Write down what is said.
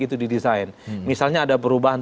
itu didesain misalnya ada perubahan